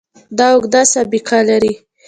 دا اوږده سابقه لري.